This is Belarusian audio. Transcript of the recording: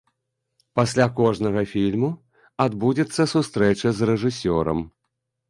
Пасля кожнага фільму адбудзецца сустрэча з рэжысёрам.